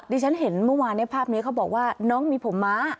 ที่ฉันเห็นเมื่อวานในภาพนี้เขาบอกว่าน้องมีผมม้า